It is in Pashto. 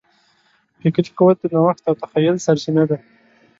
فکري قوت د نوښت او تخیل سرچینه ده.